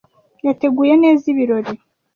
Yateguye neza ibirori.